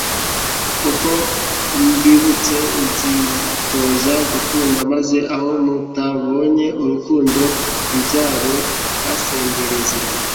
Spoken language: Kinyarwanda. uko mbibutse nzitoza gukunda maze aho mutabonye urukundo nzaruhasendereze